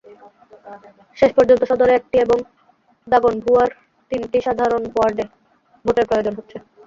শেষ পর্যন্ত সদরে একটি এবং দাগনভূঞার তিনটি সাধারণ ওয়ার্ডে ভোটের প্রয়োজন হচ্ছে।